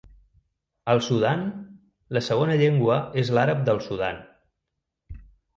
Al Sudan la segona llengua és l'àrab del Sudan.